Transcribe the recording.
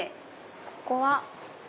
ここは。